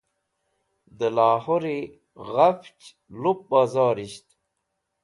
De Lahori Ghafch Lup Bozorisht